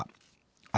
あ